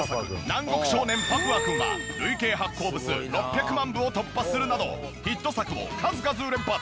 『南国少年パプワくん』は累計発行部数６００万部を突破するなどヒット作を数々連発。